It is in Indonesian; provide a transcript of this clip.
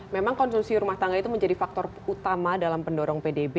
memang konsumsi rumah tangga itu menjadi faktor utama dalam pendorong pdb